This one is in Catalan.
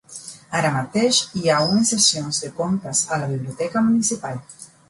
Ara mateix hi ha unes sessions de contes a la biblioteca municipal.